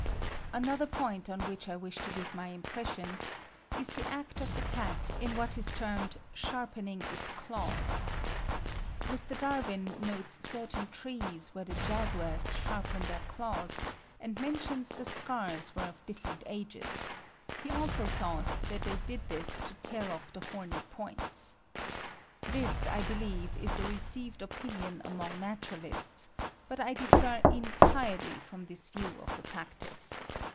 Another point on which I wish to give my impressions is the act of the cat in what is termed "sharpening its claws." Mr. Darwin notes certain trees where the jaguars "sharpen their claws," and mentions the scars were of different ages; he also thought they did this "to tear off the horny points." This, I believe, is the received opinion among naturalists; but I differ entirely from this view of the practice.